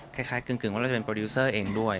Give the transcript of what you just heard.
คล้ายกึ่งว่าเราจะเป็นโปรดิวเซอร์เองด้วย